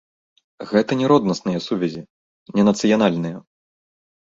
Гэта не роднасныя сувязі, не нацыянальныя.